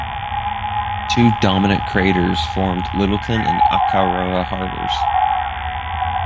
Two dominant craters formed Lyttelton and Akaroa Harbours.